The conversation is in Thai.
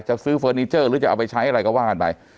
จะซื้อเฟอร์นิเจอร์หรือจะเอาไปใช้อะไรก็ว่ากันไป